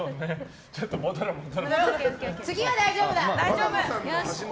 次は大丈夫だ！